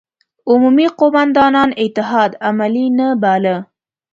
عمومي قوماندان اتحاد عملي نه باله.